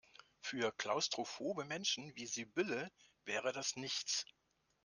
Für klaustrophobe Menschen wie Sibylle wäre das nichts.